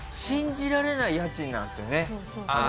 信じられない家賃なんですよね？